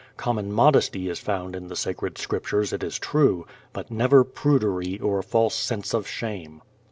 Common modesty is found in the Sacred Scriptures, it is true, but never prudery or a false sense of shame.